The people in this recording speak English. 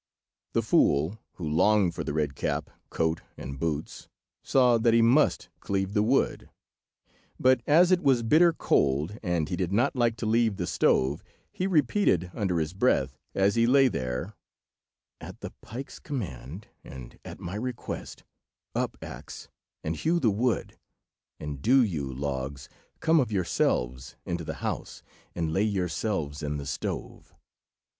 The fool, who longed for the red cap, coat, and boots, saw that he must cleave the wood; but as it was bitter cold, and he did not like to leave the stove, he repeated, under his breath, as he lay there: "At the pike's command, and at my request, up, axe, and hew wood; and do you, logs, come of yourselves into the house and lay yourselves in the stove."